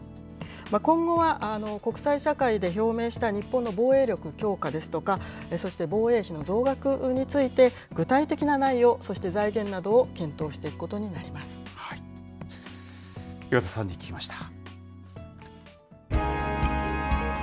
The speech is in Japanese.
今後は国際社会で表明した日本の防衛力強化ですとか、そして防衛費の増額について、具体的な内容、そして財源などを検討していくこ岩田さんに聞きました。